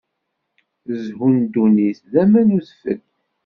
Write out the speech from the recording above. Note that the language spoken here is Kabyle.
Zzhu n ddunit d aman n udfel.